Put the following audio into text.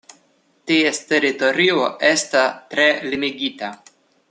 Ties teritorio esta tre limigita.